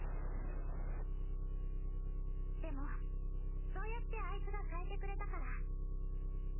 でもそうやってあいつが変えてくれたから。